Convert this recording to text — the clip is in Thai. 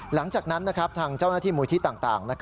หลังจากนั้นทางเจ้าหน้าที่มูลที่ต่าง